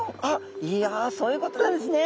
いやそういうことなんですね。